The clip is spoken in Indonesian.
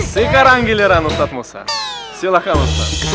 sekarang giliran ustadz musa silahkan ustadz